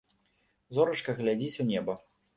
Зорачка глядзіць у неба.